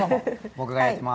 僕がやってます。